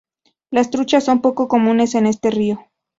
Las truchas son poco comunes en este río.